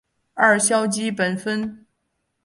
二硝基苯酚